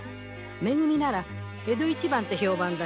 「め組」なら江戸一番って評判だ。